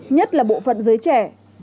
nhất là bộ phận giới trẻ